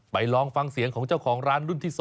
ลองฟังเสียงของเจ้าของร้านรุ่นที่๒